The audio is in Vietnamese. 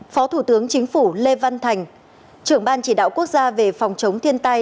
phó thủ tướng chính phủ lê văn thành trưởng ban chỉ đạo quốc gia về phòng chống thiên tai